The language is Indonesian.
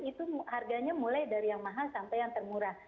itu harganya mulai dari yang mahal sampai yang termurah